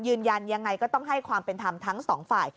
ยืนยันยังไงก็ต้องให้ความเป็นธรรมทั้งสองฝ่าย